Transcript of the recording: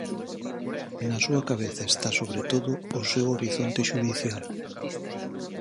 Na súa cabeza está sobre todo o seu horizonte xudicial.